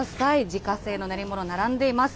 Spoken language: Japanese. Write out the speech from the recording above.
自家製の練り物、並んでいます。